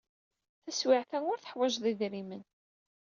Taswiɛt-a, ur teḥwajeḍ idrimen.